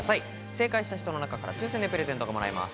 正解した人の中から抽選でプレゼントがもらえます。